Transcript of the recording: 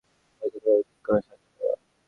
হয়তো তোমার উচিৎ কারো সাহায্য নেওয়া।